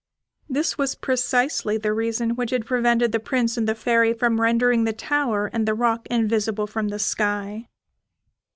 This was precisely the reason which had prevented the Prince and the Fairy from rendering the tower and the rock invisible from the sky.